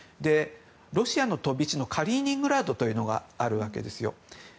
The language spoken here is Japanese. ロシアの飛び地のカリーニングラードというのがあるわけですよ。